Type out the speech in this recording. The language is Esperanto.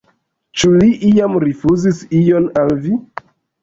Ĉu li iam rifuzis ion al vi?